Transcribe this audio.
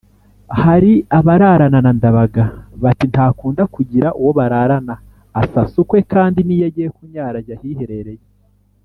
hari abararana na ndabaga?» bati” «ntakunda kugira uwo bararana asasa ukwe kandi n’iyo agiye kunyara ajya ahiherereye!